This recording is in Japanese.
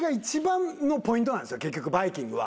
結局バイキングは。